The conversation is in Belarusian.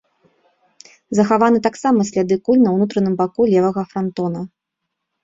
Захаваны таксама сляды куль на ўнутраным баку левага франтона.